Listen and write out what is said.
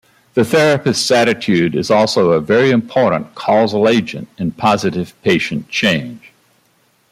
The therapist's attitude is also a very important causal agent in positive patient change.